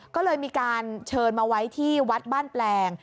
ก็เลยมีการเชิญมาไว้ที่วัดบ้านแปลง